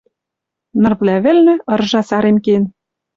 Нырвлӓ вӹлнӹ ыржа сарем кен.